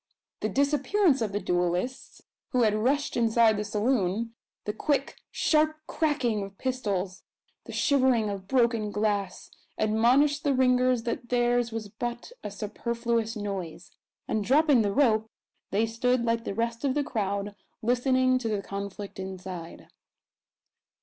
The disappearance of the duellists, who had rushed inside the saloon, the quick, sharp cracking of pistols; the shivering of broken glass, admonished the ringers that theirs was but a superfluous noise; and, dropping the rope, they stood like the rest of the crowd, listening to the conflict inside.